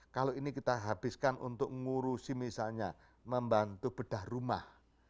kalau ini kita habiskan untuk ngurusi misalnya membantu bedah rumah